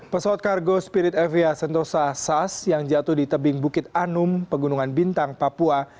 pesawat kargo spirit evia sentosa sas yang jatuh di tebing bukit anum pegunungan bintang papua